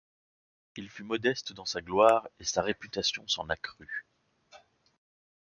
Il fut modeste dans sa gloire, et sa réputation s’en accrut.